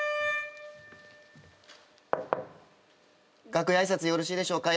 楽屋挨拶よろしいでしょうか？